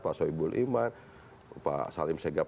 pak soebul iman pak salim segep asyik